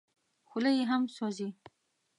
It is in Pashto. خوله یې هم سوځي .